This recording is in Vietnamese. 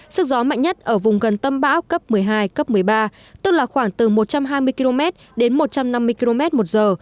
sức gió mạnh nhất ở vùng gần tâm bão cấp một mươi hai cấp một mươi ba tức là khoảng từ một trăm hai mươi km đến một trăm năm mươi km một giờ